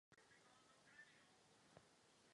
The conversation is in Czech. Tyto tři typy se mohou různou měrou kombinovat.